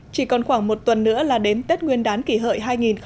chỉ còn khoảng một tuần nữa là đến tết nguyên đán kỷ hợi hai nghìn một mươi chín